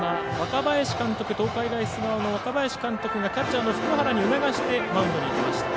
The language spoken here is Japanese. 東海大菅生の若林監督がキャッチャーの福原に促してマウンドにいきました。